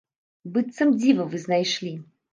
Быццам дзіва вы знайшлі.